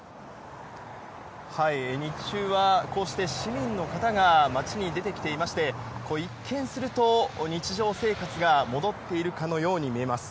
日中はこうして市民の方が街に出てきていまして、一見すると、日常生活が戻っているかのように見えます。